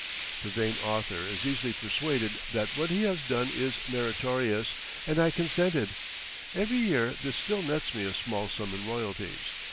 The vain author is easily persuaded that what he has done is meritorious, and I consented. [Every year this still nets me a small sum in royalties.